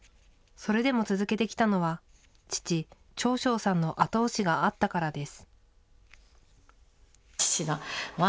それでも続けてきたのは、父、長昌さんの後押しがあったからです。